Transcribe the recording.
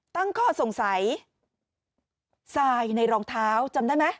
ตั้งข้อสงสัยทรายในรองเท้าจำได้ไหม